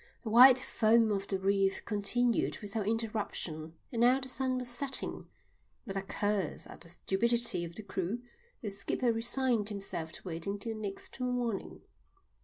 The white foam of the reef continued without interruption and now the sun was setting. With a curse at the stupidity of the crew the skipper resigned himself to waiting till next morning.